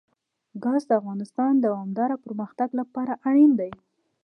ګاز د افغانستان د دوامداره پرمختګ لپاره اړین دي.